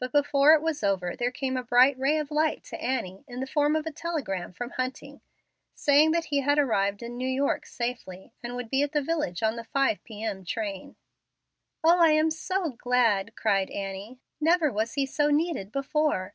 But before it was over there came a bright ray of light to Annie in the form of a telegram from Hunting, saying that he had arrived in New York safely, and would be at the village on the 5 P.M. train. "O I am so glad!" cried Annie; "never was he so needed before."